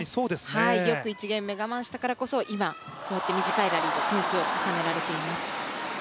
よく１ゲーム目、我慢したからこそ今、短いラリーで点数を重ねられています。